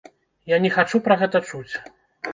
Я не хачу пра гэта чуць!